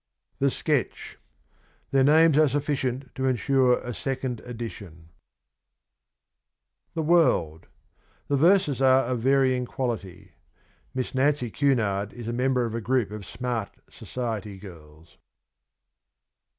THE SKETCH. Their names are sufficient to ensure a second edition. 114 THE WORLD. The verses are of varying quality. ... Miss Nancy Cunard is a member of a group of smart society girls.